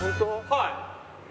はい。